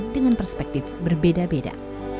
dengan perspektif berbeda beda